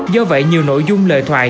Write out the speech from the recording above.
do vậy nhiều nội dung lời thoại